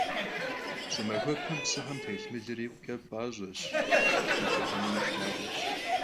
Ş'ımaxuepem psıxem têlh mılır yikhuç'e p'aş'eş, vutêhenui şşınağueş.